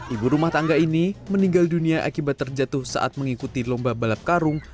ibu rumah tangga ini meninggal dunia akibat terjatuh saat mengikuti lomba balap karung